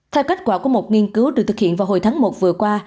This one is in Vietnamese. theo kết quả của một nghiên cứu được thực hiện vào hồi tháng một vừa qua